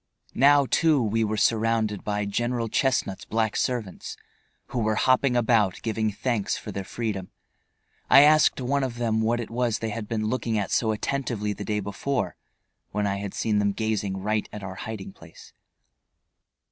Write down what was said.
Now, too, we were surrounded by General Chestnut's black servants, who were hopping about, giving thanks for their freedom. I asked one of them what it was they had been looking at so attentively the day before, when I had seen them gazing right at our hiding place.